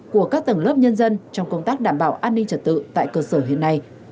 của các tầng lớp nhân dân trong công tác đảm bảo an ninh trật tự tại cơ sở hiện nay